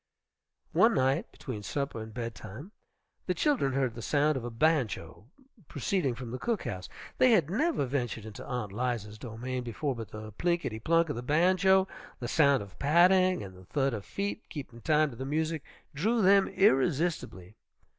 One night, between supper and bedtime, the children heard the sound of a banjo proceeding from the cook house. They had never ventured into Aunt 'Liza's domain before, but the plinketty plunk of the banjo, the sound of patting and the thud of feet keeping time to the music drew them irresistibly.